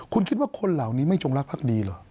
คุณคิดว่าคนเหล่านี้ไม่จงรักภักดีเหรอ